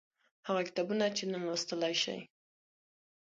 هغه کتابونه چې نن لوستلای شئ